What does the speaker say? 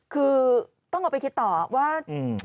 คือต้องเอาไปคิดต่อว่า